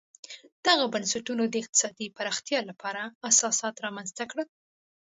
دغو بنسټونو د اقتصادي پراختیا لپاره اساسات رامنځته کړل.